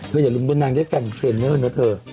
เธออย่าลืมด้วยนางที่ก่อนเจนน่ะเธอ